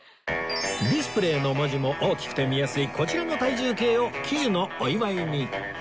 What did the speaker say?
ディスプレーの文字も大きくて見やすいこちらの体重計を喜寿のお祝いに